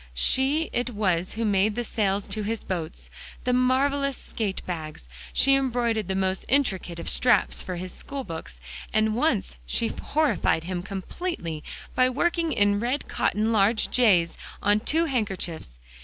She it was who made the sails to his boats, and marvelous skate bags. She embroidered the most intricate of straps for his school books, and once she horrified him completely by working in red cotton, large "J's" on two handkerchiefs.